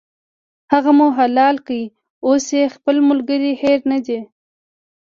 هغه مو حلال کړ، اوس یې خپل ملګری هېر نه دی.